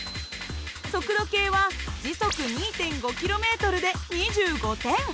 速度計は時速２．５ｋｍで２５点。